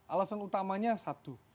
alasan utamanya satu